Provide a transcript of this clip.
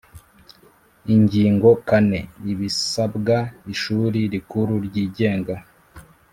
Ingingo kane Ibisabwa ishuri rikuru ryigenga